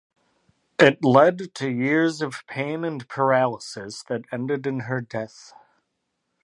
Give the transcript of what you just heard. It led to years of pain and paralysis that ended in her death.